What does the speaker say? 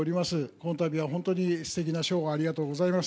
このたびは本当にすてきな賞をありがとうございます。